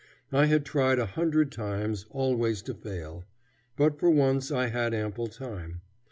I had tried a hundred times, always to fail; but for once I had ample time.